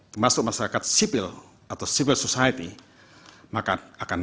termasuk masyarakat sipil atau civil society maka akan